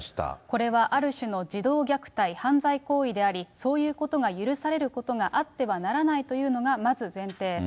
これはある種の児童虐待、犯罪行為であり、そういうことが許されることがあってはならないというのが、まず前提。